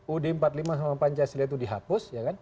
ud empat puluh lima sama pancasila itu dihapus